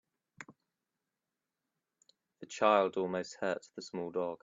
The child almost hurt the small dog.